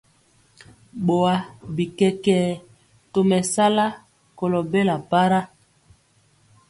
Boa bi kɛkɛɛ tomesala kolo bela para.